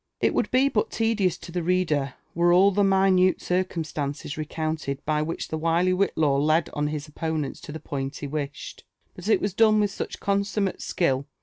It would be but tedious to the reader were all the minute circum stances recounted by which the wily Whillaw led on his opponents to the point he wished ; but it was done with such consummate skill